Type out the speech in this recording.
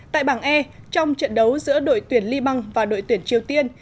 tại bảng e trong trận đấu giữa đội tuyển li băng và đội tuyển triều tiên